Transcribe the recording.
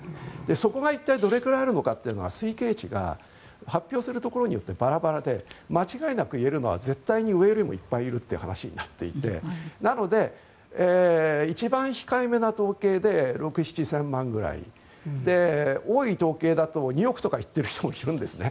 そこが一体どれくらいあるのかは推計値が発表するところによってバラバラで間違いなく言えるのは絶対に上にもいるという話になっていてなので、一番控えめな統計で６０００７０００万くらい多い統計だと、２億とか言っている人もいるんですね。